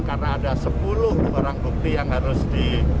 karena ada sepuluh orang bukti yang harus di